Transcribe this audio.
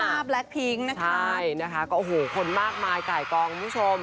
แบล็คพิ้งนะคะใช่นะคะก็โอ้โหคนมากมายไก่กองคุณผู้ชม